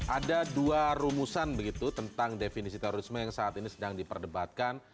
ada dua rumusan begitu tentang definisi terorisme yang saat ini sedang diperdebatkan